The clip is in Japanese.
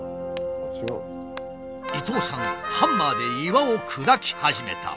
伊藤さんハンマーで岩を砕き始めた。